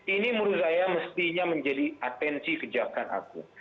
ini menurut saya mestinya menjadi atensi kejahatan aku